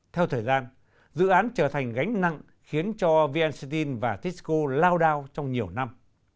theo thời gian dự án trở thành gánh nặng khiến cho vn steel và tysco lao đao trong nhiều thời gian